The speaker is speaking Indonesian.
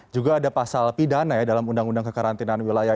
juga ada pasal pidana ya dalam undang undang kekarantinaan wilayah